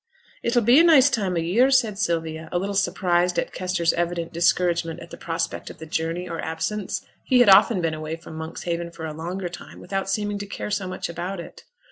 'It'll be a nice time o' year,' said Sylvia, a little surprised at Kester's evident discouragement at the prospect of the journey or absence; he had often been away from Monkshaven for a longer time without seeming to care so much about it.